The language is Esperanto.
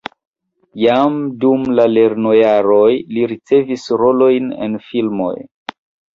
Jam dum la lernojaroj li ricevis rolojn en filmoj.